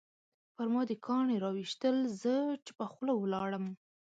پرما دې کاڼي راویشتل زه چوپه خوله ولاړم